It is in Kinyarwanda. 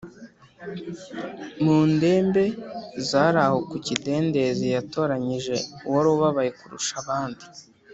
Mu ndembe zari aho ku kidendezi yatoranyije uwari ubabaye kurusha abandi